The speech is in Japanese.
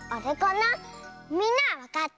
みんなはわかった？